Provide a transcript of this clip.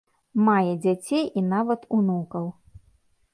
Мае дзяцей і нават унукаў.